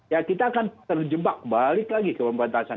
ya kita akan terjebak balik lagi ke pembatasan